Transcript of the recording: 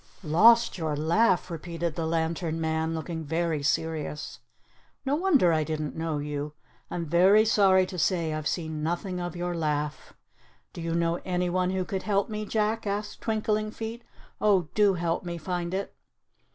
"Lost your laugh!" repeated the lantern man, looking very serious. "No wonder I didn't know you. I'm very sorry to say I've seen nothing of your laugh." "Do you know anyone who could help me, Jack?" asked Twinkling Feet. "Oh do help me find it."